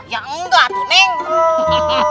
ya enggak tuh nengguu